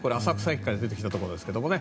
浅草駅から出てきたところです。